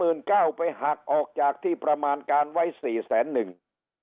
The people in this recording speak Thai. เก้าไปหักออกจากที่ประมาณการไว้สี่แสนหนึ่ง